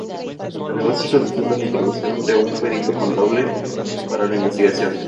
Además se solicita la intervención de un perito contable para la investigación.